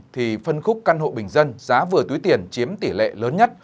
thì phân khúc căn hộ bình dân giá vừa túi tiền chiếm tỷ lệ lớn nhất